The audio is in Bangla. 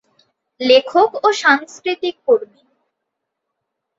লেখক ও সাংস্কৃতিক কর্মী।